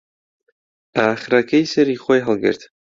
ئاخرەکەی سەری خۆی هەڵگرت